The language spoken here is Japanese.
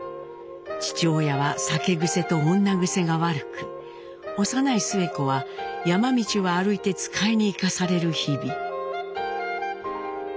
父親は酒癖と女癖が悪く幼いスエ子は山道を歩いて使いに行かされる日々。